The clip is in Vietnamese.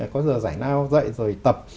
có giờ giải nao dậy rồi tập